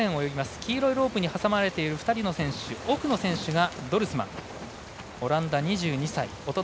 黄色いロープに挟まれている２人の選手奥の選手がドルスマンオランダ、２２歳。